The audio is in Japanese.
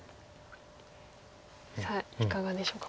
さあいかがでしょうか？